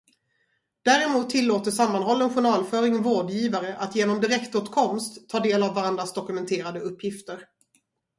Däremot tillåter sammanhållen journalföring vårdgivare att genom direktåtkomst ta del av varandras dokumenterade uppgifter.